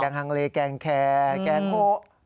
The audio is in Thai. ฮังเลแกงแคร์แกงโฮ